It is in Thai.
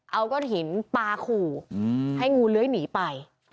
เอากระถินปากูงูเล้ยหนีไป